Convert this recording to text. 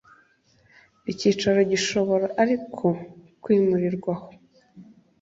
Icyicaro gishobora ariko kwimurirwa aho